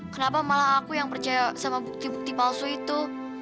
kenapa malah aku yang percaya sama bukti bukti palsu itu